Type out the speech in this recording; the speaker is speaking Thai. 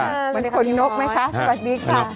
สวัสดีค่ะ